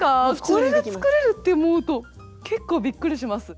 これで作れるって思うと結構びっくりします。